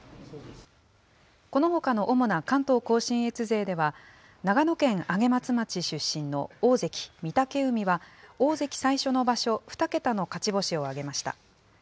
このほかの主な関東甲信越勢では、長野県上松町出身の大関・御嶽海は、大関最初の場所、２桁の勝ち星を挙げました。